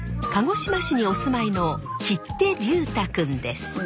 鹿児島市にお住まいの切手隆太君です。